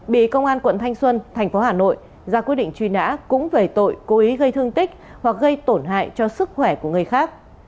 bị công an quận thanh xuân thành phố hà nội ra quyết định truy nã cũng về tội cố ý gây thương tích hoặc gây tổn hại cho sức khỏe của người khác